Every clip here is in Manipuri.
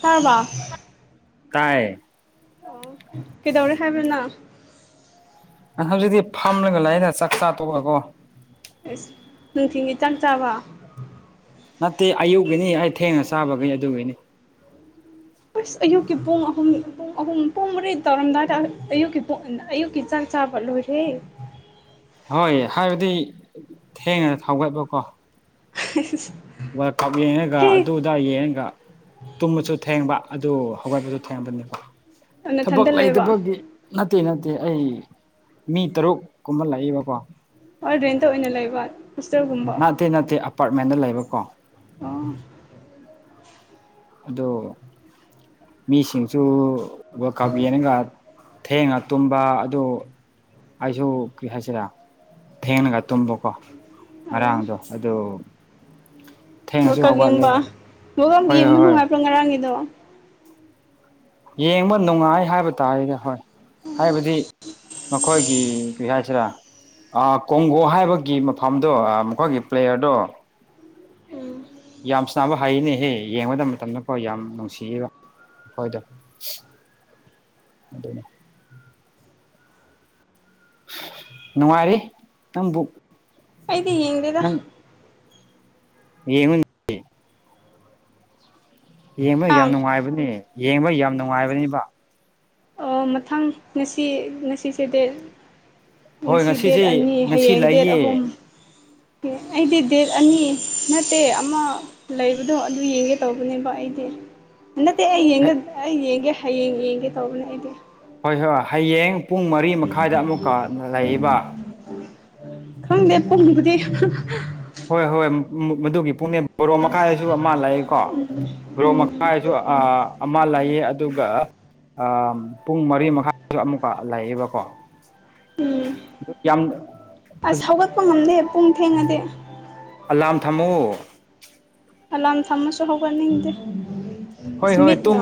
ꯁꯔꯃ ꯀꯥꯏ ꯑꯣ ꯀꯩꯗꯧꯔꯦ ꯍꯥꯏꯕꯅ ꯑ ꯍꯧꯖꯤꯛꯇꯤ ꯐꯝꯂꯒ ꯂꯥꯛꯗ ꯆꯥꯛꯆꯥꯥ ꯇꯣꯛꯑꯀꯣ ꯑꯁ ꯅꯨꯡꯊꯤꯜꯒꯤ ꯆꯥꯛ ꯆꯥꯕ ꯆꯥꯕꯈꯩ ꯑꯗꯨꯒꯤꯅꯤ ꯑꯁ ꯑꯌꯨꯛꯀꯤ ꯄꯨꯡ ꯑꯍꯨꯝ ꯄꯨꯡ ꯑꯍꯨꯝ ꯄꯨꯡ ꯃꯩ ꯇꯧꯔꯝꯗꯥꯏꯗ ꯑꯌꯨꯛꯀꯤ ꯄꯨꯡ ꯑꯌꯨꯛꯀꯤ ꯆꯥꯛ ꯀ ꯐꯜꯂꯁꯦ ꯍꯣꯏ ꯍꯥꯏꯕꯗꯤ ꯊꯦꯡꯉꯒ ꯊꯧꯒꯠꯕꯀꯣ [unintelligible] ꯋꯥꯔꯜ ꯀꯞ ꯌꯦꯡꯉꯒ ꯍꯦ ꯑꯗꯨꯗꯥ ꯌꯦꯡꯉꯒ ꯇꯨꯝꯃꯁꯨ ꯊꯦꯡꯕ ꯑꯗꯨ ꯑꯋꯥꯠꯄꯗꯨꯣ ꯊꯦꯡꯕꯅꯦꯕ ꯊꯕꯛ ꯅꯊꯟꯗ ꯂꯩꯕ ꯂꯩꯇꯕꯒꯤ ꯅꯠꯇꯦ ꯅꯠꯇꯦ ꯑꯩ ꯃꯤ ꯇꯔꯨꯛ ꯀꯨꯝꯕ ꯂꯥꯛꯏꯕꯀꯣ ꯑꯣꯔꯗ꯭ꯔꯦꯟꯇ ꯑꯣꯏꯅ ꯂꯩꯕ ꯍꯣꯁꯇꯦꯜꯒꯨꯝꯕ ꯅꯠꯇꯦ ꯅꯠꯇꯦ ꯑꯄꯥꯔꯠꯃꯦꯟꯗ ꯂꯩꯕꯀꯣ ꯑꯥ ꯑꯗꯣ ꯃꯤꯁꯤꯡꯁꯨ ꯋꯥ ꯀꯥꯞ ꯌꯦꯅꯒ ꯊꯦꯡꯉ ꯇꯨꯝꯕ ꯑꯗꯨ ꯑꯩꯁꯨ ꯀꯔꯤ ꯍꯥꯏꯁꯤꯔꯦ ꯊꯦꯡꯅꯒ ꯇꯨꯝꯕꯀꯣ ꯑꯣ ꯉꯔꯥꯡꯗꯣ ꯑꯗꯨ ꯊꯦꯡꯅꯁꯨ ꯋꯥꯀꯛ ꯍꯧꯒꯠꯂꯦ ꯌꯦꯡꯕ ꯀꯨꯛ ꯍꯣꯏ ꯍꯣꯏ ꯌꯦꯡꯕ ꯍꯣꯏ ꯅꯨꯡꯉꯥꯏꯕ꯭ꯔꯣ ꯉꯔꯥꯡꯒꯤꯗꯣ ꯌꯦꯡꯕ ꯅꯨꯡꯉꯥꯏ ꯍꯥꯏꯕ ꯇꯥꯔꯦꯗꯤ ꯍꯣꯏ ꯍꯥꯏꯕꯗꯤ ꯃꯈꯣꯏ ꯄꯕꯤꯍꯁꯤꯔꯥ ꯀꯣꯡꯒꯣ ꯍꯥꯏꯕꯒꯤ ꯃꯐꯝꯗꯣ ꯃꯈꯣꯏꯒꯤ ꯄ꯭ꯂꯦꯌꯔꯗꯣ ꯎꯝ ꯌꯥꯝ ꯆꯅꯕ ꯍꯔꯤꯅꯦꯍꯦ ꯌꯦꯡꯕꯗ ꯃꯇꯝꯗꯐꯥꯎ ꯌꯥꯝ ꯅꯨꯡꯁꯤꯌꯦꯕ ꯍꯣꯏꯗ ꯑꯗꯨꯅꯦ ꯅꯨꯡꯉꯥꯏꯔꯤ ꯅꯪꯕꯨ ꯑꯩꯗꯤ ꯌꯦꯅꯤꯡꯗꯗ ꯌꯦ ꯍꯧ ꯌꯦꯡꯕ ꯌꯥꯝ ꯑꯥ ꯅꯨꯡꯉꯥꯏꯕꯅꯦ ꯌꯦꯡꯕ ꯌꯥꯝ ꯅꯨꯡꯉꯥꯏꯕꯅꯦꯕ ꯑꯣ ꯃꯊꯪ ꯉꯁꯤ ꯉꯁꯤꯁꯦꯗꯤ ꯍꯣꯏ ꯉꯁꯤ ꯗꯦꯠ ꯉꯁꯤꯁꯦ ꯑꯅꯤ ꯉꯁꯤ ꯍꯌꯦꯡ ꯗꯦꯠ ꯂꯩꯌꯦ ꯑꯍꯨꯝ ꯑꯣꯀꯦ ꯑꯩꯗꯤ ꯗꯦꯠ ꯑꯅꯤ ꯅꯠꯇꯦ ꯑꯃ ꯂꯩꯕꯗꯣ ꯑꯗꯨ ꯌꯦꯡꯒꯦ ꯇꯧꯕꯅꯦꯕ ꯑꯩꯗꯤ [unintelligible] ꯅꯠꯇꯦ ꯑꯩ ꯑꯩ ꯌꯦꯡꯒꯦ ꯍꯌꯦꯡ ꯌꯦꯡꯒꯦ ꯇꯧꯕꯅꯦ ꯑꯩꯗꯤ ꯍꯣꯏ ꯍꯣꯏ ꯍꯌꯦꯡ ꯄꯨꯡ ꯃꯔꯤ ꯃꯈꯥꯏꯗ ꯑꯃꯨꯛꯀ ꯂꯩꯕ ꯈꯪꯗꯦ ꯄꯨꯡꯕꯨꯗꯤ ꯍꯣꯏ ꯍꯣꯏ ꯃꯗꯨꯒꯤ ꯄꯨꯛꯅꯦ ꯕꯣꯔꯣꯛ ꯃꯈꯥꯏꯁꯨ ꯑꯃ ꯂꯩꯀꯣ ꯒ꯭ꯔꯣ ꯎꯝ ꯃꯈꯥꯏꯁꯨ ꯑꯃ ꯂꯩꯌꯦ ꯑꯗꯨꯒ ꯑ ꯄꯨꯡ ꯃꯔꯤ ꯃꯈꯥꯏꯁꯨ ꯑꯃꯨꯛꯀ ꯂꯩꯌꯦꯕꯀꯣ ꯑ ꯌꯥꯝ ꯑꯁ ꯐꯖꯩ ꯍꯧꯒꯠꯄ ꯉꯝꯗꯦ ꯄꯨꯡ ꯊꯦꯡꯗ ꯑꯂꯥꯝ ꯊꯝꯃꯨ ꯑꯦꯂꯥꯔꯝ ꯊꯝꯃꯁꯨ ꯍꯧꯧꯒꯠꯅꯤꯡꯗꯦ.... ꯍꯣꯏ ꯁꯃꯤ ꯍꯣꯏ ꯇꯨꯝ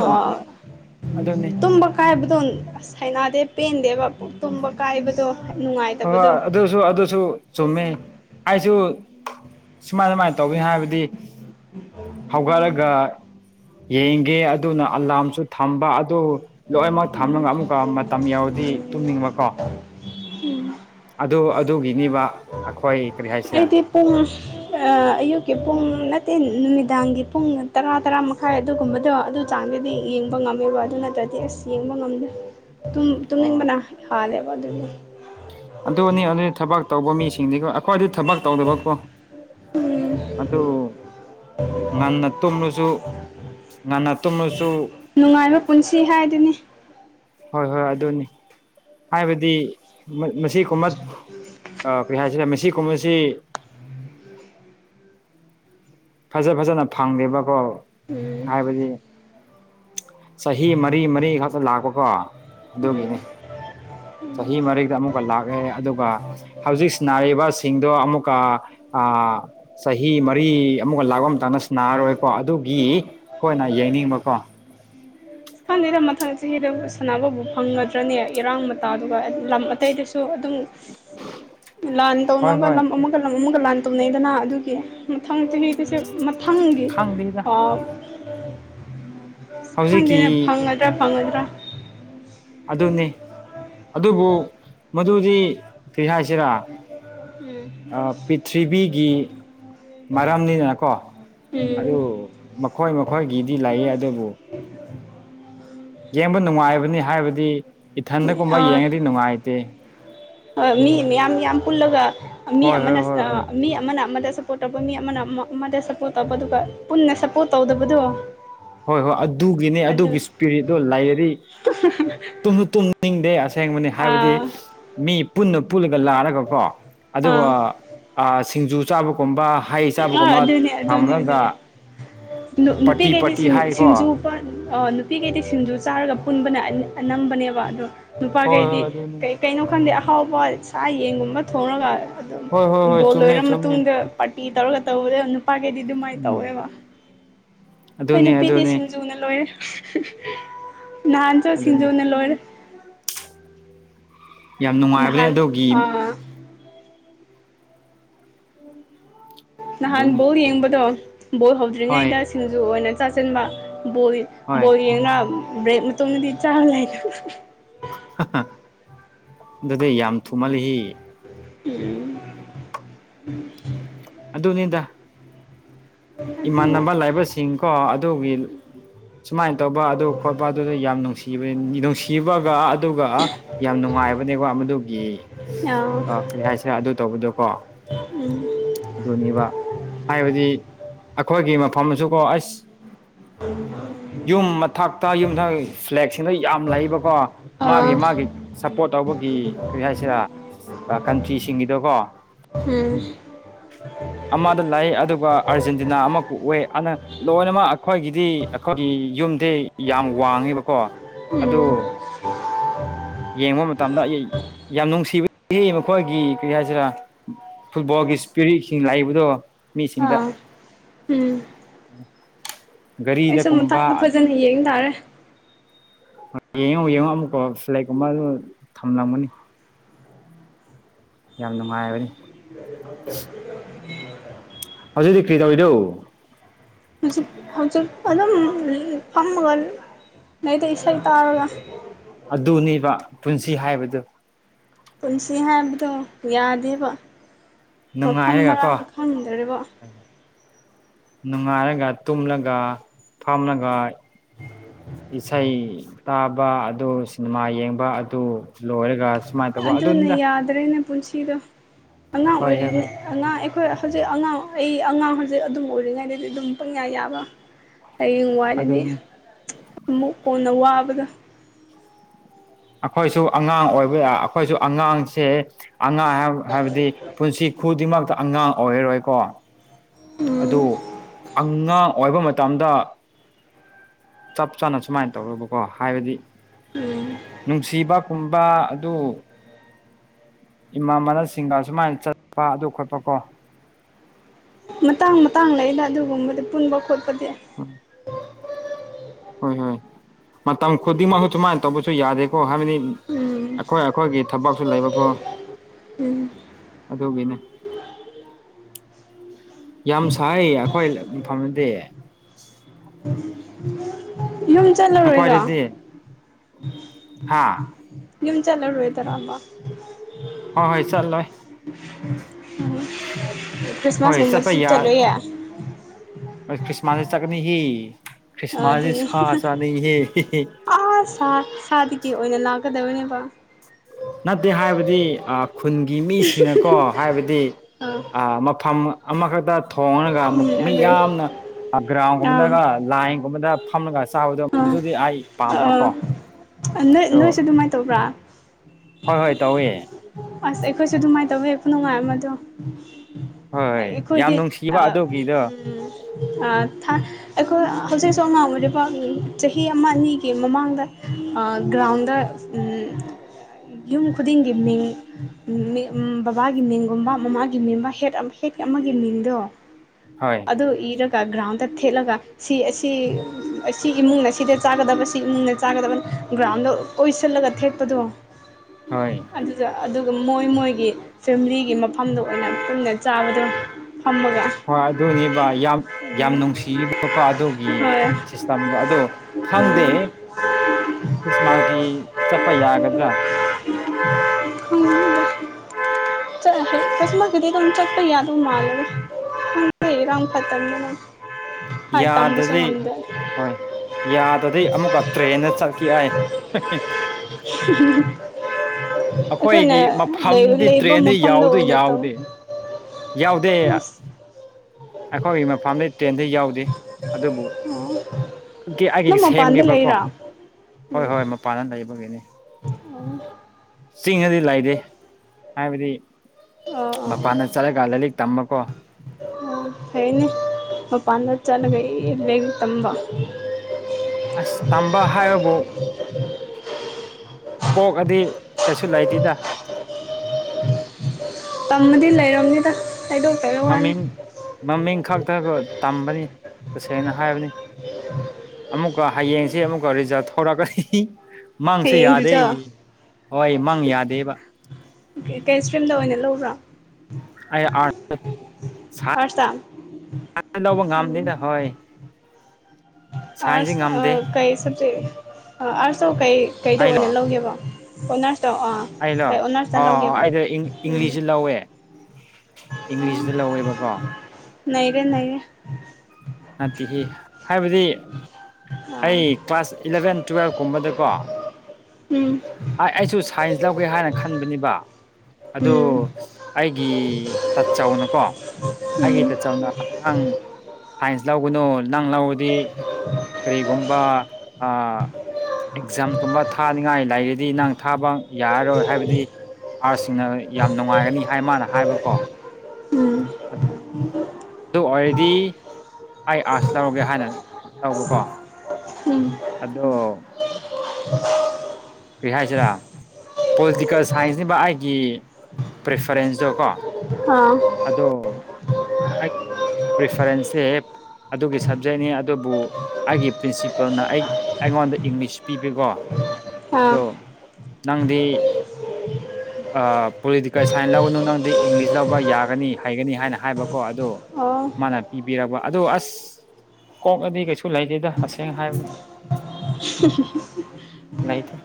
ꯑꯗꯨꯅꯤ ꯇꯨꯝꯕ ꯀꯥꯏ ꯑꯗꯣꯟ ꯑꯁ ꯍꯥꯏꯥꯏꯅꯥꯗꯦ ꯄꯦꯟꯗꯦꯕꯛ ꯇꯨꯝꯕ ꯀꯥꯏꯕꯗꯣ ꯍꯣꯏ ꯍꯣꯏ ꯅꯨꯡꯉꯥꯏꯇꯕꯗꯣ ꯑꯗꯨꯁꯨ ꯑꯗꯨꯁꯨ ꯆꯨꯝꯃꯦ ꯑꯩꯁꯨ ꯁꯨꯃꯥꯏ ꯁꯃꯥꯏꯅ ꯇꯧꯒꯅꯤ ꯍꯥꯏꯕꯗꯤ ꯍꯧꯒꯠꯂꯒ ꯌꯦꯡꯒꯦ ꯑꯗꯨꯅ ꯑꯂꯥꯝꯁꯨ ꯊꯝꯕ ꯑꯗꯨ ꯂꯣꯏꯅꯃꯛ ꯊꯝꯅꯥꯉꯥꯏ ꯑꯃꯨꯛꯀ ꯃꯇꯝ ꯌꯥꯎꯔꯗꯤ ꯇꯨꯝꯅꯤꯡꯕꯀꯣ ꯎꯝ ꯑꯗꯨ ꯑꯗꯨꯒꯤꯅꯤꯕ ꯑꯩꯈꯣꯏ ꯀꯔꯤ ꯍꯥꯏꯁꯤꯔꯥ ꯑꯩꯗꯤ ꯄꯨꯡ ꯑꯌꯨꯛꯀꯤ ꯄꯨꯡ ꯅꯠꯇꯦ ꯅꯨꯃꯤꯗꯥꯡꯒꯤ ꯄꯨꯡ ꯇꯔꯥ ꯇꯔꯥ ꯃꯈꯥꯏ ꯑꯗꯨꯒꯨꯝꯕꯗꯣ ꯑꯗꯨ ꯆꯥꯡꯗꯗꯤ ꯌꯦꯡꯕ ꯉꯝꯃꯦꯕ ꯑꯗꯨ ꯅꯠꯇꯔꯥ ꯇꯤ ꯑꯁ ꯌꯦꯡꯕ ꯉꯝꯗꯦ ꯑꯣ ꯇꯨꯝꯅꯤꯡꯕꯅ ꯍꯥꯜꯂꯦꯕ ꯑꯗꯨꯗꯤ ꯑꯗꯨꯅꯤ ꯑꯗꯨꯗꯤ ꯊꯕꯛ ꯇꯧꯕ ꯃꯤꯁꯤꯡꯗꯤꯀꯣ ꯑꯩꯈꯣꯏꯗꯤ ꯊꯕꯛ ꯇꯧꯗꯕꯀꯣ ꯎꯝ ꯑꯗꯨ ꯉꯟꯅ ꯇꯨꯝꯂꯁꯨ ꯉꯟꯅ ꯇꯨꯝꯂꯁꯨ ꯅꯨꯡꯉꯥꯏꯕ ꯄꯨꯟꯁꯤ ꯍꯥꯏꯗꯨꯅꯤ ꯍꯣꯏ ꯍꯣꯏ ꯑꯗꯨꯅꯤ ꯍꯥꯏꯕꯗꯤ ꯃꯁꯤ ꯈꯨꯝꯃꯇ ꯑꯥ ꯀꯔꯤ ꯍꯥꯏꯁꯤꯔꯦ ꯃꯁꯤ ꯀꯨꯝꯍꯨꯠꯁꯤ ꯐꯖ ꯐꯖꯅ ꯐꯪꯗꯦꯕꯀꯣ ꯎꯝ ꯍꯥꯏꯕꯗꯤ ꯆꯍꯤ ꯃꯔꯤ ꯃꯔꯤ ꯈꯛꯇ ꯂꯥꯛꯄꯀꯣ ꯎꯝ ꯑꯗꯨꯒꯤꯅꯤ ꯆꯍꯤ ꯃꯔꯤꯛꯇ ꯑꯃꯨꯛꯀ ꯂꯥꯛꯑꯦ ꯑꯗꯨꯒꯥ ꯍꯧꯖꯤꯛ ꯁꯅꯥꯔꯤꯕꯁꯤꯡꯗꯣ ꯑꯃꯨꯛ ꯀꯥ ꯑꯥ ꯆꯍꯤ ꯃꯔꯤ ꯑꯃꯨꯛꯒ ꯂꯥꯛꯄ ꯃꯇꯝ ꯇꯅ ꯁꯅꯥꯔꯣꯏꯀꯣ ꯑꯗꯨꯒꯤ ꯑꯩꯈꯣꯏꯅ ꯌꯦꯡꯅꯤꯡꯕꯀꯣ꯫ ꯈꯪꯗꯦꯗꯥ ꯃꯊꯪ ꯆꯍꯤꯗ ꯁꯥꯟꯅꯕꯕꯨ ꯐꯪꯒꯗ꯭ꯔꯅꯦ ꯏꯔꯥꯡ ꯃꯇꯥꯗꯨꯒꯥ ꯑꯗꯨꯝ ꯂꯝ ꯑꯇꯩꯗꯁꯨ ꯗꯨꯝ ꯂꯥꯟ ꯍꯣꯏ ꯇꯧꯅꯕ ꯍꯣꯏ ꯂꯝ ꯑꯃꯒ ꯂꯝ ꯑꯃꯒ ꯂꯥꯟ ꯇꯧꯅꯩꯗꯅ ꯑꯗꯨꯒꯤ ꯃꯊꯪ ꯆꯍꯤꯗꯥꯁꯨ ꯃꯊꯪꯒꯤ ꯈꯪꯗꯦꯗ ꯑꯥ ꯑꯁ ꯈꯪꯗꯦꯅꯦ ꯍꯧꯖꯤꯛꯀꯤ ꯐꯪꯒꯗ꯭ꯔꯥ ꯐꯪꯉꯣꯏꯗ꯭ꯔꯥ꯫ ꯑꯗꯨꯅꯤ ꯑꯗꯨꯕꯨ ꯃꯗꯨꯗꯤ ꯀꯩ ꯍꯥꯏꯁꯤꯔꯥ꯫ ꯄ꯭ꯔꯤꯊꯤꯕꯤꯒꯤ ꯃꯔꯝꯅꯤꯅꯀꯣ [unintelligible] ꯑꯗꯨ ꯃꯈꯣꯏ ꯃꯈꯣꯏꯒꯤꯗꯤ ꯂꯩꯌꯦ ꯑꯗꯨꯕꯨ ꯌꯦꯡꯕ ꯅꯨꯡꯉꯥꯏꯕꯅꯤ ꯍꯥꯏꯕꯗꯤ ꯏꯊꯟꯗꯒꯨꯝꯕ ꯌꯦꯡꯉꯗꯤ ꯅꯨꯡꯉꯥꯏꯇꯦ꯫ ꯍꯣꯏ ꯃꯤ ꯃꯌꯥꯝ ꯃꯌꯥꯝ ꯄꯨꯜꯂꯒ ꯃꯤ ꯍꯣꯏ ꯍꯣꯏ ꯑꯃꯅ ꯍꯣꯏ ꯍꯣꯏ ꯃꯤ ꯑꯃꯅ ꯑꯃꯗ ꯁꯞꯄꯣꯔꯠ ꯇꯧꯕ ꯃꯤ ꯑꯃꯅ ꯑꯃꯗ ꯁꯞꯄꯣꯔꯠ ꯇꯧꯕ ꯑꯗꯨꯒ ꯄꯨꯟꯅ ꯁꯞꯄꯣꯔꯠ ꯇꯧꯗꯕꯗꯣ꯫ ꯍꯣꯏ-ꯍꯣꯏ ꯑꯗꯨꯒꯤꯅꯦ ꯑꯗꯨ ꯑꯗꯨꯒꯤ ꯏꯁꯄꯤꯔꯤꯠꯇꯣ ꯂꯩꯔꯥꯗꯤ ꯇꯨꯝꯁꯨ ꯇꯨꯝꯅꯤꯡꯗꯦ ꯑꯁꯦꯡꯕꯅꯤ ꯑꯥ ꯍꯥꯏꯕꯗꯤ ꯃꯤ ꯄꯨꯟꯅ ꯄꯨꯨꯜꯂꯒ ꯂꯥꯛꯔꯒꯀꯣ ꯑꯥ ꯑꯗꯨꯒꯥ ꯁꯤꯡꯖꯨ ꯆꯥꯕꯒꯨꯝꯕ ꯍꯩ ꯑꯥ ꯆꯥꯕꯒꯨꯝꯕ ꯑꯗꯨꯅꯦ-ꯑꯗꯨꯅꯦ ꯊꯝꯂꯒ ꯑꯗꯨꯅꯦ ꯄꯥꯔꯇꯤ ꯅꯨꯄꯤꯈꯩꯗꯤ ꯄꯥꯔꯇꯤ ꯁꯤꯡ ꯁꯤꯡꯖꯨ ꯍꯥꯏꯀꯣ ꯁꯤꯡꯖꯨ ꯍꯣꯏ ꯄꯥꯟ ꯑꯣ ꯅꯨꯄꯤꯈꯩꯗꯤ ꯁꯤꯡꯖꯨ ꯆꯥꯔꯒ ꯄꯨꯟꯕꯅꯦ ꯑꯅꯝꯕꯅꯦꯕ ꯑꯗꫭ꯫ ꯅꯨꯄꯥꯈꯩꯗꯤ ꯍꯣꯏ ꯑꯗꯨꯅꯤ ꯀꯩ ꯀꯩꯅꯣ ꯈꯪꯗꯦ ꯑꯍꯥꯎꯕ ꯁꯥ ꯌꯦꯟꯒꯨꯝꯕ ꯊꯣꯡꯔꯥꯒ ꯑꯗꯨꯝ ꯍꯣꯏ ꯍꯣꯏ ꯍꯣꯏ ꯕꯣꯜ ꯆꯨꯝꯃꯦ ꯂꯣꯏꯔ ꯆꯨꯝꯃꯦ ꯃꯇꯨꯡꯗ ꯄꯥꯔꯠ ꯀꯤ ꯇꯧꯔꯒ ꯇꯧꯕꯗ ꯅꯨꯄꯥꯒꯩꯗꯤ ꯑꯗꯨꯃꯥꯏꯅ ꯎꯝ ꯇꯧꯋꯦꯕ꯫ ꯍꯣꯏ ꯑꯗꯨꯅꯤ ꯅꯨꯄꯤꯗꯤ ꯑꯗꯨꯅꯤ ꯁꯤꯡꯖꯨꯅ ꯂꯣꯏꯔꯦ꯫ ꯅꯍꯥꯟꯁꯨ ꯑꯗꯨꯅꯤ ꯁꯤꯡꯖꯨꯅ ꯂꯣꯏꯔꯦ꯫ ꯌꯥꯝ ꯅꯨꯡꯉꯥꯏꯕꯅꯦ ꯅꯍꯥꯟ ꯑꯗꯨꯒꯤ ꯅꯍꯥꯟ ꯑꯗꯨꯅꯤ ꯕꯣꯜ ꯌꯦꯡꯕꯗꯣ ꯕꯣꯜ ꯍꯣꯏ ꯍꯧꯗ꯭ꯔꯤꯉꯩꯗ ꯁꯤꯡꯖꯨ ꯑꯣꯏꯅ ꯆꯥꯁꯤꯟꯕ ꯕꯣꯜ ꯍꯣꯏ ꯕꯣꯜ ꯌꯦꯡꯉꯥ ꯕ꯭ꯔꯦꯛ ꯃꯇꯨꯡꯗꯗꯤ ꯆꯥꯅ ꯂꯩ ꯑꯗꯨꯗꯤ ꯌꯥꯝ ꯊꯨꯃꯜꯂꯤꯍꯦ꯫ ꯎꯝ꯫ ꯗꯨꯅꯤꯗ꯫ ꯑꯗꯨꯅꯦ ꯏꯃꯥꯟꯅꯕ ꯂꯥꯏꯕꯁꯤꯡ ꯀꯣ ꯑꯗꯨꯒꯤ ꯁꯨꯃꯥꯏꯅ ꯇꯧꯕ ꯑꯗꯨ ꯈꯣꯠꯄ ꯑꯗꯨꯗ ꯌꯥꯝ ꯅꯨꯡꯁꯤꯕꯅꯤꯗꯨ ꯅꯨꯡꯁꯤꯕꯒ ꯑꯗꯨꯒꯥ ꯌꯥꯝ ꯅꯨꯡꯉꯥꯏꯕꯅꯦꯕꯥ ꯃꯗꯨꯒꯤ ꯑ ꯀꯔꯤ ꯍꯥꯏꯁꯤꯔꯥ ꯑꯗꯨ ꯇꯧꯕꯗꯣꯀꯣ ꯎꯝ꯫ ꯑꯗꯨꯅꯤꯕ ꯍꯥꯏꯕꯗꯤ ꯑꯩꯈꯣꯏꯒꯤ ꯃꯐꯝꯁꯨ ꯀꯣ ꯑꯁ ꯌꯨꯝ ꯃꯊꯛꯇ ꯌꯨꯝꯊꯪ ꯐ꯭ꯂꯦꯛꯁꯤꯡꯗ ꯌꯥꯝ ꯂꯩꯕꯀꯣ꯫ ꯑꯥ ꯃꯥꯒꯤ-ꯃꯥꯒꯤ ꯁꯞ ꯄꯣꯠ ꯇꯧꯕꯒꯤ ꯀꯔꯤ ꯍꯥꯏꯁꯤꯔꯥ ꯑ ꯀꯟꯇ꯭ꯔꯤꯁꯤꯡꯒꯤꯗꫭꯀꯣ ꯎꯝ꯫ ꯑꯃꯗ ꯂꯩ ꯑꯗꯨꯒ ꯑꯥꯔꯖꯦꯟꯇꯤꯅꯥ ꯑꯃ ꯄꯨꯑꯦ ꯑꯗꯨꯅ ꯂꯣꯏꯅꯃꯛ ꯑꯩꯈꯣꯏꯒꯤꯗꯤ ꯑꯩꯈꯣꯏꯒꯤ ꯌꯨꯝꯁꯦ ꯌꯥꯝ ꯋꯥꯡꯉꯤꯕꯀꯣ ꯎꯝ꯫ [unintelligible] ꯌꯦꯡꯕ ꯃꯇꯝꯗ ꯑꯩ ꯌꯥꯝ ꯅꯨꯡꯁꯤꯕꯅꯤ ꯃꯈꯣꯏꯒꯤ ꯀꯔꯤ ꯍꯥꯏꯁꯤꯔꯥ ꯐꯨꯠꯕꯣꯜꯒꯤ ꯁ ꯁꯄꯤꯔꯤꯛꯁꯤꯡ ꯂꯥꯏꯕꯗꯣ ꯑꯥ ꯎꯝ꯫ ꯑꯩꯁꯨ ꯃꯊꯪꯗ ꯒꯥꯔꯤꯗꯒꯨꯝꯕ ꯐꯖꯅ ꯌꯦꯡ ꯇꯥꯔꯦ꯫ ꯌꯦꯡꯉꯣ-ꯌꯦꯡꯉꯣ ꯑꯃꯨꯛꯀ ꯐ꯭꯭ꯂꯦꯛ ꯑꯃꯀꯨꯝꯕ ꯑꯗꯨ ꯊꯝꯂꯝꯒꯅꯤ꯫ ꯌꯥꯝ ꯅꯨꯡꯉꯥꯏꯕꯅꯤ꯫ ꯎꯝ꯫ ꯍꯧꯗꯤ ꯀ꯭ꯔꯤ ꯇꯧꯋꯤꯗꯣ ꯍꯧꯖꯤ ꯍꯧꯖꯤ ꯑꯗꯨ ꯑꯗꯨꯝ ꯐꯝꯒꯅꯤ ꯅꯗ ꯏꯁꯥ ꯍ ꯇꯥꯔꯒ ꯑꯗꯨꯅꯦꯕ ꯄꯨꯟꯁꯤ ꯍꯥꯏꯕꯗꯨ ꯄꯨꯟꯁꯤ ꯍꯥꯏꯕꯗꯣ ꯌꯥꯗꯦꯕ ꯃꯐꯝ ꯅꯨꯡꯉꯥꯏꯔꯒ ꯀꯣ ꯃꯔꯥꯡ ꯈꯪꯗꯔꯤꯕ ꯅꯨꯡꯉꯥꯏꯔꯒ ꯇꯨꯝꯂꯒ ꯐꯝꯂꯒ ꯏꯁꯩ ꯇꯥꯕ ꯑꯗꯨ ꯁꯤꯅꯦꯃꯥ ꯌꯦꯡꯕ ꯑꯗꯨ ꯂꯣꯏꯔꯒ ꯁꯨꯃꯥꯏꯅ ꯇꯧꯕ ꯑꯗꯨꯅꯦ ꯑꯗꯨꯅꯤꯗ ꯌꯥꯗ꯭ꯔꯦꯅꯦ ꯄꯨꯟꯁꯤꯗꯣ ꯑꯉꯥꯡ ꯍꯣꯏ ꯍꯣꯏ ꯑꯣꯏꯔꯤ ꯍꯣꯏ ꯑꯉꯥꯡ ꯍꯣꯏ ꯍꯧꯖꯤꯛ ꯑꯉꯥꯡ ꯑꯩ ꯑꯉꯥꯡ ꯍꯧꯖꯤꯛ ꯑꯗꯨꯝ ꯑꯣꯏꯔꯤꯉꯩꯗꯗꯤ ꯑꯗꯨꯝ ꯄꯪꯌꯥ ꯌꯥꯕ ꯍꯌꯦꯡꯋꯥꯏꯗꯗꯤ ꯑꯗꯨꯅꯤ ꯑꯃꯨꯛ ꯀꯣꯟꯅ ꯋꯥꯕꯗꯣ ꯑꯩꯈꯣꯏꯁꯨ ꯑꯉꯥꯡ ꯑꯣꯏꯕ ꯌꯥ ꯑꯩꯈꯣꯏꯁꯨ ꯑꯉꯥꯡꯁꯦ ꯑꯉꯥꯡ ꯍꯥꯏꯕꯗꯤ ꯄꯨꯟꯁꯤ ꯈꯨꯗꯤꯡꯃꯛꯇ ꯑꯉꯥꯡ ꯑꯣꯏꯔꯔꯣꯏꯀꯣ ꯎꯝ ꯑꯗꯨ ꯑꯉꯥꯡ ꯑꯣꯏꯕ ꯃꯇꯝ ꯃꯇꯝꯗ ꯆꯞ ꯆꯥꯅ ꯁꯨꯃꯥꯏꯅ ꯇꯧꯕꯀꯣ ꯍꯥꯏꯕꯗꯤ ꯎꯝ ꯅꯨꯡꯁꯤꯕꯒꯨꯝꯕ ꯑꯗꯨ ꯏꯃꯥ ꯃꯅꯁꯤꯡꯒ ꯁꯨꯃꯥꯏꯅ ꯆꯠꯄ ꯑꯗꯨ ꯈꯣꯠꯄ ꯀꯣ ꯃꯇꯥꯡ ꯃꯇꯥꯡ ꯂꯩꯅ ꯑꯗꯨꯒꯨꯝꯕꯗꯤ ꯄꯨꯟꯕ ꯈꯣꯠꯄ ꯎꯝ ꯍꯣꯏ ꯍꯣꯏ ꯃꯇꯝ ꯈꯨꯗꯤꯡꯃꯛꯁꯨ ꯁꯨꯃꯥꯏꯅ ꯇꯧꯕꯁꯨ ꯌꯥꯗꯦ ꯍꯥꯏꯕꯅꯤ ꯎꯝ ꯑꯩꯈꯣꯏ ꯑꯩꯈꯣꯏꯒꯤ ꯊꯕꯛꯁꯨ ꯂꯩꯕꯀꯣ ꯎꯝ ꯑꯗꯣꯒꯅꯦ ꯌꯥꯝ ꯁꯥꯏꯌꯦ ꯑꯩꯈꯣꯏ ꯃꯐꯝꯗꯤ ꯌꯨꯝ ꯆꯠꯂꯔꯣꯏꯒ ꯍꯥ ꯌꯨꯝ ꯆꯂꯜ ꯔꯣꯏꯗꯔ ꯍꯣꯏ ꯍꯣꯏ ꯆꯠꯂꯣꯏ ꯍꯣꯏ ꯆꯠꯄ ꯀ꯭ꯔꯤꯁꯃꯁ ꯨꯝꯃꯗꯁꯨ ꯆꯂꯦ ꯈ꯭ꯔꯤꯁꯃꯅꯤ ꯆ ꯀꯅꯤ ꯑꯗꯨꯅꯤ ꯑ ꯁꯥ ꯁꯥꯗꯤ ꯑꯣꯏꯅ ꯂꯥꯛꯄ ꯀꯗꯧꯅꯦꯕ ꯅꯠꯇꯦ ꯍꯥꯏꯕꯗꯤ ꯈꯨꯟꯒꯤ ꯃꯤꯁꯤꯡꯅꯀꯣ ꯍꯥꯏꯕꯗꯤ ꯑꯥ ꯑ ꯃꯐꯝꯐꯝ ꯑꯃꯈꯛꯇ ꯊꯣꯡꯅꯒ ꯎꯝ ꯑꯃꯨꯛ ꯃꯤ ꯑꯗꯨ ꯌꯥꯝꯅ ꯑꯥ ꯒ꯭ꯔꯥꯎꯟꯒꯨꯝꯕꯗꯒ ꯂꯥꯏꯟꯒꯨꯝꯕꯗ ꯐꯝꯂꯒ ꯆꯥꯕꯗꯣꯨꯗꯤ ꯑꯩ ꯄꯥꯝꯕꯀꯣ ꯑ ꯅꯣꯏ ꯑꯗꯣ ꯅꯣꯏꯁꯨ ꯑꯗꯨꯃꯥꯏꯅ ꯇꯧꯕ꯭ꯔꯥ ꯍꯣꯏ ꯍꯣꯏ ꯇꯧꯋꯦ ꯑꯁ ꯑꯩꯈꯣꯏꯁꯨ ꯑꯗꯨꯃꯥꯏꯅ ꯇꯧꯋꯤ ꯍꯄ ꯅꯨꯡꯉꯥꯏꯝꯕꯗꯣ ꯍꯣꯏ ꯍꯣꯏ ꯌꯥꯝ ꯑꯩꯈꯣꯏꯗꯤ ꯎꯝ ꯅꯨꯡꯁꯤꯕ ꯑꯗꯨꯒꯤꯗꯣ ꯑꯩꯈꯣꯏ ꯍꯧꯖꯤꯛ ꯍꯧꯁꯨ ꯑꯉꯥꯡ ꯑꯣꯏꯔꯤꯕ ꯆꯍꯤ ꯑꯃ ꯑꯅꯤꯒꯤ ꯃꯃꯥꯡꯗ ꯒ꯭ꯔꯥꯎꯟꯗ ꯌꯨꯝ ꯈꯨꯗꯤꯡꯒꯤ ꯃꯤꯡ ꯕꯕꯥꯒꯤ ꯃꯤꯡꯒꯨꯝꯕ ꯃꯃꯥꯒꯤ ꯃꯤꯡꯠ ꯍꯦꯠ ꯑꯃꯒꯤ ꯃꯤꯡꯗꯣ ꯍꯣꯏ ꯑꯗꯣ ꯏꯔ ꯀ ꯒ꯭ꯔꯥꯎꯟꯗ ꯊꯦꯠꯂꯒ ꯁꯤ ꯑꯁꯤ ꯁꯤ ꯏꯃꯨꯡꯅ ꯁꯤꯗ ꯆꯥꯒꯗꯕ ꯁꯤ ꯏꯃꯨꯡꯅ ꯆꯥꯒꯗꯕ ꯒ꯭ꯔꯥꯎꯟꯗ ꯀꯣꯏꯁꯤꯜꯂꯒ ꯊꯦꯠꯄꯗꯣ ꯍꯣꯏ ꯑꯗꯨꯗ ꯑꯗꯨꯒ ꯃꯣꯏ ꯃꯣꯏꯒꯤ ꯐꯦꯃꯤꯂꯤꯒꯤ ꯃꯐꯝꯗ ꯑꯣꯏꯅ ꯄꯨꯅ ꯆꯥꯕꯗ ꯍꯣꯏ ꯑꯗꯨꯅꯦꯕ ꯌꯥꯝ ꯌꯥꯝ ꯅꯨꯡꯁꯤꯕꯀꯣ ꯑꯗꯨꯒꯤ ꯍꯣꯏ ꯁꯤꯁꯇꯥꯝꯗꯣ ꯑꯗꯣ ꯈꯥꯡꯗꯦ ꯈ꯭ꯔꯤꯁꯃꯥꯁꯀꯤ ꯆꯠꯄ ꯌꯥꯒꯗ꯭ꯔꯥ ꯑꯣ ꯆ ꯍ ꯀꯁꯃ ꯀꯗꯤ ꯀꯝ ꯆꯠꯄ ꯌꯥꯗ ꯃꯥꯜ ꯍꯪ ꯔꯪ ꯈꯠꯂꯝ ꯃꯅ ꯑ ꯇꯝꯕꯁꯪ ꯌꯥꯗ꯭ꯔꯗꯤ ꯉꯝꯗ ꯍꯣꯏ ꯌꯥꯗꯗꯤꯩ ꯑꯃꯨꯛꯀ ꯇ꯭ꯔꯦꯟꯗ ꯆꯠꯀ ꯍꯥꯏ [unintelligible] ꯑꯩꯈꯣꯏꯅ ꯑꯩꯈꯣꯏꯒꯤ ꯃꯐꯝꯗꯤ ꯂꯩꯕ ꯇ꯭ꯔꯦꯟꯗꯤ ꯃꯐꯝꯗ ꯌꯥꯎꯗ ꯑꯣꯏꯅ ꯇꯧ ꯌꯥꯎꯗꯦ ꯌꯥꯎꯗꯦ ꯑꯁ ꯑꯩꯈꯣꯏꯒꯤ ꯃꯐꯝꯗꯤ ꯇ꯭ꯔꯦꯟꯗꯤ ꯌꯥꯎꯗꯦ ꯑꯗꯨꯕꯨ ꯑꯩꯒꯤ ꯅꯪ ꯃꯄꯥꯟꯗ ꯁꯦꯝꯈꯤꯕꯀꯣ ꯂꯩꯔꯣ ꯍꯣꯏ ꯍꯣꯏ ꯃꯄꯥꯟꯗ ꯂꯩꯕꯒꯤꯅꯤ ꯎꯝ ꯆꯤꯡꯉꯗꯤ ꯂꯩꯇꯦ ꯍꯥꯏꯕꯗꯤ ꯑꯣ ꯑꯣ ꯑꯣ ꯃꯄꯥꯟꯗ ꯆꯠꯂꯒ ꯂꯥꯏꯔꯤꯛ ꯇꯝꯃꯀꯣ ꯄꯥꯟꯗ ꯆꯠꯂꯒ ꯏꯕꯒ ꯇꯝꯕ ꯑꯁ ꯇꯝꯕ ꯍꯥꯏꯕꯕꯨ [unintelligible] ꯀꯣꯛ ꯑꯗꯤ ꯀꯩꯁꯨ ꯂꯩꯇꯦꯗ ꯑꯃꯗꯤ ꯂꯩꯔꯕꯝꯅꯤꯗ ꯃꯃꯤꯡ ꯃꯃꯤꯡ ꯈꯛꯇꯒ ꯇꯝꯕꯅꯤ ꯇꯁꯦꯡꯅ ꯍꯥꯏꯕꯅꯤ ꯑꯃꯨꯛꯀ ꯍꯌꯦꯡꯁꯤ ꯑꯃꯨꯛꯀ ꯔꯤꯖꯥ ꯊꯧꯔꯛꯀꯅꯤ ꯃꯪꯁꯨ ꯌꯥꯗꯦ ꯍꯌꯦꯡꯗꯨꯗ ꯍꯣꯏ ꯃꯪ ꯌꯥꯗꯦꯕ ꯑꯣ ꯀꯦꯁ ꯀ꯭ꯔꯤꯝꯗ ꯑꯣꯏꯅ ꯂꯧꯕ꯭ꯔꯥ ꯑꯩ ꯑꯥꯔꯠꯁꯇ ꯎꯝ ꯉꯝꯗꯗ ꯍ ꯑꯥꯔꯠꯁ ꯀꯩ ꯁꯕꯖꯦꯛ ꯑꯥꯔꯠꯁꯇ ꯀꯩ ꯀꯩꯗ ꯑꯣꯏꯅ ꯂꯧꯒꯦꯕ ꯑꯣꯅꯔꯁꯇ ꯑꯥ ꯑꯩꯅꯣ ꯀꯩ ꯑꯣꯅꯔꯁꯇ ꯑꯥ ꯑ ꯂꯧꯒꯦꯕ ꯑꯩꯗ ꯎꯝ ꯏꯪꯂꯤꯁꯁꯨ ꯂꯧꯋꯦ ꯏꯪꯂꯤꯁꯇ ꯂꯧꯋꯦꯕꯀꯣ ꯅ ꯔꯦ ꯅꯌꯦ ꯅꯠꯇꯤꯁꯤꯦ ꯍꯥꯏꯕꯗꯤ ꯑꯥ ꯑꯩ ꯀ꯭ꯂꯥꯁ ꯏꯂꯚꯦꯟ ꯇꯨꯋꯦꯜꯕ ꯀꯨꯝꯕꯗꯀꯣ ꯎꯝ ꯑꯩ ꯑꯩꯁꯨ ꯁꯥꯏꯟꯁ ꯂꯧꯒꯦ ꯍꯥꯏꯅ ꯈꯟꯕꯅꯤꯕ ꯑꯗꯨ ꯎꯝ ꯑꯩꯒꯤ ꯇꯠꯆꯧꯅꯀꯣ ꯎꯝ ꯑꯩꯒꯤ ꯇ ꯆꯥꯎꯧꯅ ꯅꯪ ꯁꯥꯏꯟꯁ ꯂꯧꯒꯅꯨ ꯅꯪ ꯂꯧꯕꯗꯤ ꯐꯔꯤꯒꯨꯝꯕ ꯑ ꯑꯦꯛꯖꯥꯝꯒꯨꯝꯕ ꯊꯥꯅꯤꯡꯉꯥꯏ ꯂꯩꯥꯏꯔꯤꯒꯗꯤ ꯅꯪ ꯊꯥꯕ ꯌꯥꯔꯔꯣꯏ ꯍꯥꯏꯕꯗꯤ ꯑꯥꯔꯁꯤꯡꯅ ꯌꯥꯝ ꯅꯨꯡꯉꯥꯏꯒꯅꯤ ꯍꯥꯏ ꯃꯥꯅ ꯍꯥꯏꯕꯀꯣ ꯎꯝ ꯑꯗꯨ ꯑꯣꯏꯔꯗꯤ ꯑꯩ ꯑꯁ ꯂꯧꯔꯒꯦ ꯍꯥꯏꯅ ꯇꯧꯕꯀꯣ ꯑꯗꯣ ꯑ ꯀꯩ ꯍꯥꯏꯁꯤꯔꯥ ꯄꯣꯂꯤꯇꯤꯀꯦꯜ ꯁꯥꯏꯟꯁꯅꯤꯕ ꯑꯩꯒꯤ ꯄ꯭꯭ꯔꯔꯤꯐꯔꯦꯟꯁꯇꯣ ꯀꯣ ꯑꯥ ꯄꯦꯐꯔꯦꯟꯁꯦ ꯑꯗꯨꯒꯤ ꯁꯕꯖꯦꯛꯅꯤ ꯑꯗꯨꯕꯨ ꯑꯩꯒꯤ ꯄ꯭ꯔꯤꯟꯁꯤꯄꯜꯅ ꯑꯩ ꯑꯩꯉꯣꯟꯗ ꯏꯪꯂꯤꯁ ꯄꯤꯕꯤꯀꯣ ꯑꯥ ꯗꯣ ꯅꯪꯗꯤ ꯄꯣꯂꯤꯇꯤꯀꯦꯜ ꯁꯥꯏꯟꯁ ꯂꯧꯒꯅ ꯅꯪꯗꯤ ꯏꯪꯂꯤꯁ ꯂꯧꯕ ꯌꯥꯒꯅꯤ ꯍꯩꯒꯅꯤ ꯍꯥꯏꯅ ꯍꯥꯏꯕꯀꯣ ꯑꯗꯨ ꯑꯣ ꯃꯥꯅ ꯄꯤꯕꯤꯔꯕ ꯑꯗꯣ ꯑꯁ ꯀꯣꯛꯅꯗꯤ ꯀꯩꯁꯨ ꯂꯩꯗꯦꯗ ꯍꯁꯦꯡꯅ ꯍꯥꯏꯕꯅꯤ [unintelligible] ꯅ ꯇ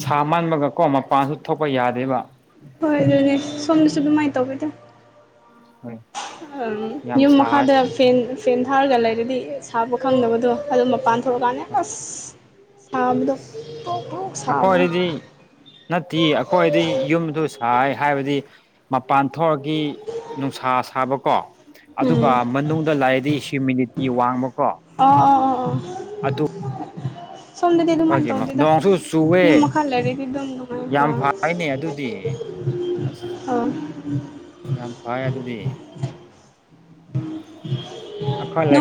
ꯁꯥ ꯃꯟꯥꯟꯕꯒ ꯀꯣ ꯃꯄꯥꯟꯁꯨ ꯊꯣꯛꯄ ꯌꯥꯗꯦꯕ ꯍꯣꯏ ꯑꯗꯨꯅꯦ ꯁꯣꯝꯗꯁꯨ ꯑꯗꯨꯃꯥꯏꯅ ꯇꯧꯧꯕꯤꯗ ꯍꯣꯏ ꯌꯥꯝ ꯌꯨꯝ ꯁꯥꯏ ꯃꯈꯥꯗ ꯐ ꯐꯦꯟ ꯊꯥꯔꯒ ꯂꯩꯔꯗꯤ ꯁꯥꯕ ꯈꯪꯗꯕꯗꯣ ꯑꯗꯨꯝ ꯃꯄꯥꯟ ꯊꯣꯛꯒꯅꯦ ꯑꯁ ꯁꯥꯕꯗ ꯑꯩꯈꯣꯏꯗꯗꯤ ꯅꯠꯇꯦ ꯑꯩꯈꯣꯏꯗꯤ ꯌꯨꯝꯗꯨ ꯁꯥꯏ ꯍꯥꯏꯕꯗꯤ ꯃꯄꯥꯟ ꯊꯣꯛꯒꯤ ꯅꯨꯡꯁꯥ ꯁꯥꯕ ꯀꯣ ꯎꯝ ꯑꯗꯨꯒ ꯃꯅꯨꯡꯗ ꯂꯥꯛꯑꯗꯤ ꯍ꯭ꯌꯨꯃꯤꯅꯤꯇꯤ ꯋꯥꯡꯃ ꯑ ꯑꯩꯈꯣꯏꯒꯤ ꯅꯣꯡꯁꯨ ꯆꯨꯑꯦ ꯌꯨꯝ ꯃꯈꯥ ꯂꯩꯔꯗꯤ ꯑꯗꯨꯝ ꯅꯨꯡꯉꯥꯏ ꯌꯥꯝ ꯑꯥ ꯐꯩꯅꯦ ꯑꯗꯨꯗꯤ ꯑꯁ ꯑꯥ ꯌꯥꯝ ꯐꯩ ꯑꯗꯨꯗꯤ ꯎ ꯑꯈꯣꯏ ꯂꯦ